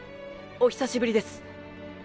お久しぶりです。